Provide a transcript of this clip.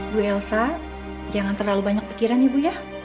bu elsa jangan terlalu banyak pikiran ibu ya